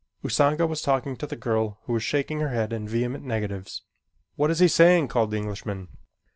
Usanga was talking to the girl who was shaking her head in vehement negatives. "What is he saying?" called the Englishman.